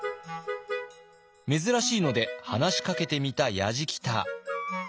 珍しいので話しかけてみたやじきた。